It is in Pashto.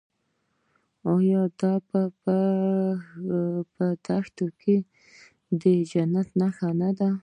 آیا دا په دښته کې د جنت نښه نه ده؟